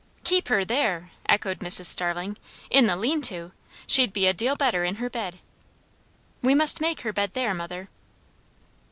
"Keep her there!" echoed Mrs. Starling. "In the lean to! She'd be a deal better in her bed." "We must make her bed there, mother."